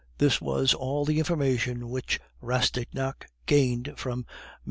This was all the information which Rastignac gained from a M.